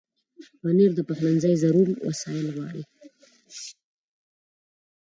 پنېر د پخلنځي ضرور وسایل غواړي.